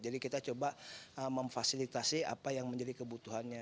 jadi kita coba memfasilitasi apa yang menjadi kebutuhannya